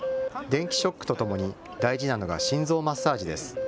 電気ショックとともに大事なのが心臓マッサージです。